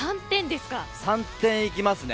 ３点いきますね。